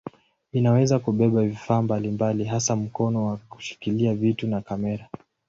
Inaweza kubeba vifaa mbalimbali hasa mkono wa kushikilia vitu na kamera.